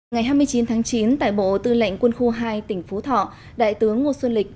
ngày hai mươi chín tháng chín tại bộ tư lệnh quân khu hai tỉnh phú thọ đại tướng ngô xuân lịch